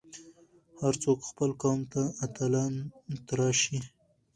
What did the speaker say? هر څوک خپل قوم ته اتلان تراشي.